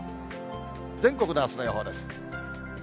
全国のあすの予報です。